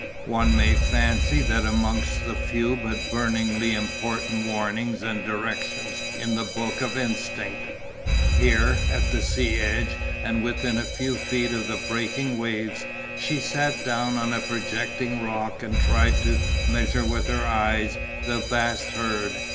One may fancy that amongst the few but burningly important warnings and directions in the book of Instinct. Here, at the sea edge and within a few feet of the breaking waves, she sat down on a projecting rock and tried to measure with her eye the vast herd.